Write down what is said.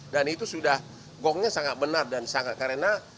dan itu sudah gongnya sangat benar dan sangat karena